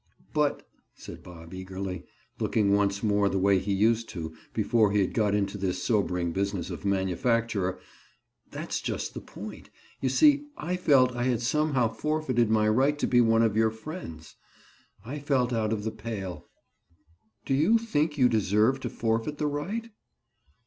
"But," said Bob eagerly, looking once more the way he used to, before he had got into this sobering business of manufacturer, "that's just the point. You see I felt I had somehow forfeited my right to be one of your friends. I felt out of the pale." "Do you think you deserve to forfeit the right?"